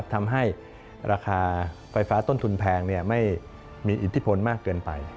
ทำให้ราคาไฟฟ้าต้นทุนแพงไม่มีอิทธิพลมากเกินไป